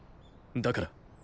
だから。